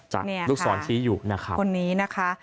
จากลูกสอนที่นี่อยู่นะครับ